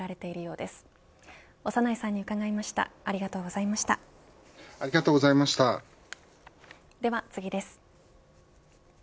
では次です。